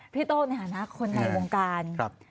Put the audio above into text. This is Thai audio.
โต้ในฐานะคนในวงการ